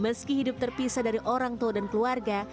meski hidup terpisah dari orang tua dan keluarga